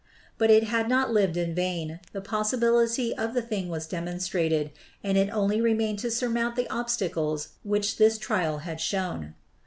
But it had not lived in vain; the possibility of the thing was demonstrated, and it only remained to sur mount the obstacles which this trial had shown.